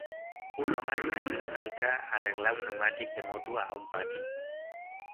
Un home n'ajuda a un altre a arreglar un neumàtic de moto a un pati